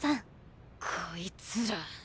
こいつら。